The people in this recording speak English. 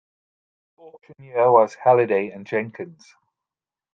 The auctioneer was Halliday and Jenkins.